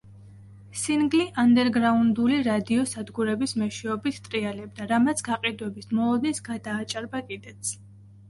სინგლი ანდერგრაუნდული რადიო სადგურების მეშვეობით ტრიალებდა, რამაც გაყიდვების მოლოდინს გადააჭარბა კიდეც.